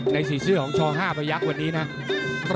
ในสีเสื้อของช่อง๕ประยักษ์วันนี้นะครับ